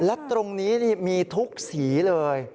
และตรงนี้มีทุกสีเลย